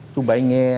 chú bảy nghe